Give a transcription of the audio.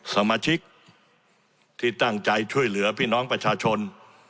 สมาชิกที่ตั้งใจช่วยเหลือพี่น้องประชาชน